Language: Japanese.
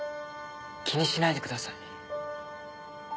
気にしないでください。